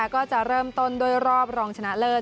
ก็จะเริ่มต้นด้วยรอบรองชนะเลิศ